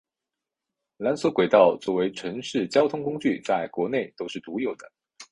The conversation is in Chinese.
缆索轨道作为城市交通工具在国内都是独有的。